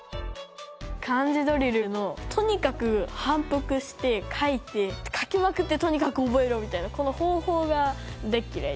漢字ドリルのとにかく反復して書いて書きまくってとにかく覚えろみたいなこの方法が大嫌いで。